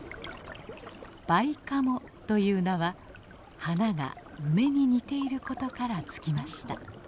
梅花藻という名は花が梅に似ていることから付きました。